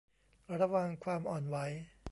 ระวังความอ่อนไหว